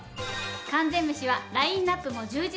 完全メシはラインアップも充実。